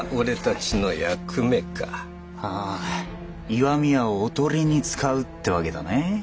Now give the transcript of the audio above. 石見屋をおとりに使うって訳だね。